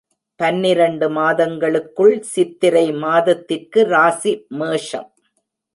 பன்னிரண்டு மாதங்களுக்குள் சித்திரை மாதத்திற்கு ராசி மேஷம்.